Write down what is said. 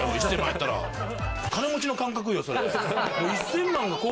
金持ちの感覚よ、それ。